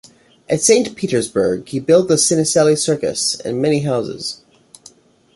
At Saint Petersburg he built the Ciniselli Circus and many houses.